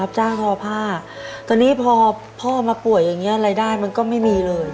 จ้างทอผ้าตอนนี้พอพ่อมาป่วยอย่างนี้รายได้มันก็ไม่มีเลย